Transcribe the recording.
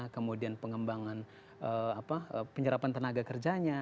kemudian pengembangan penyerapan tenaga kerjanya